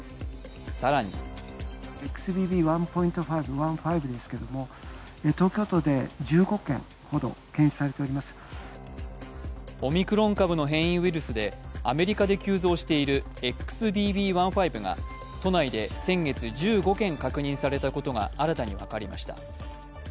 更にオミクロン株の変異ウイルスでアメリカで急増しているＸＢＢ．１．５が都内で先月、１５件確認されたことが新たに分かりました。